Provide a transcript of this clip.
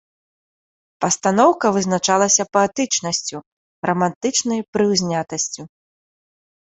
Пастаноўка вызначалася паэтычнасцю, рамантычнай прыўзнятасцю.